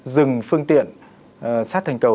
dừng phương tiện sát thành cầu